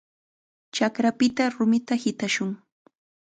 Chakrapita rumita hitashun.